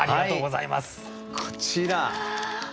こちら。